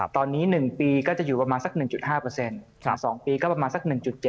ตอนนี้๑ปีก็จะอยู่ประมาณสัก๑๕๒ปีก็ประมาณสัก๑๗